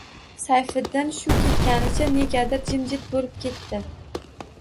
Sayfiddin shu ketganicha, negadir jimjit bo‘lib ketdi